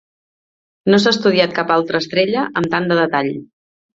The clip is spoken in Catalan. No s'ha estudiat cap altra estrella amb tant de detall.